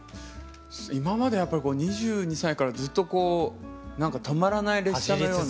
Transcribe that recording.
今までやっぱり２２歳からずっとこうなんか止まらない列車のような。